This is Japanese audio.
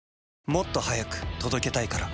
もっと速く届けたいから。